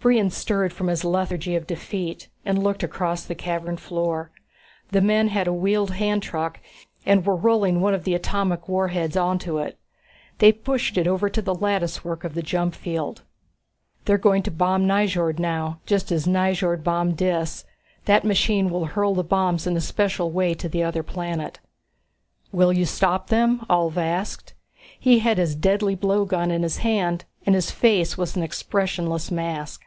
Brion stirred from his lethargy of defeat and looked across the cavern floor. The men had a wheeled handtruck and were rolling one of the atomic warheads onto it. They pushed it over to the latticework of the jump field. "They are going to bomb Nyjord now, just as Nyjord bombed Dis. That machine will hurl the bombs in a special way to the other planet." "Will you stop them?" Ulv asked. He had his deadly blowgun in his hand and his face was an expressionless mask.